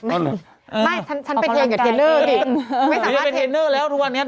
ไม่ฉันฉันไปเทนกับเทรนเนอร์ดิไม่สามารถเทรนเนอร์แล้วทุกวันนี้